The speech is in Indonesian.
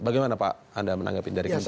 bagaimana pak anda menanggapi dari konteks itu